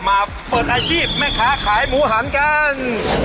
เปิดอาชีพแม่ค้าขายหมูหันกัน